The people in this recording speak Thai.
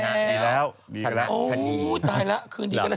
ชนะดีแล้วชนะดีโอ้ตายละคืนดีกันแล้ว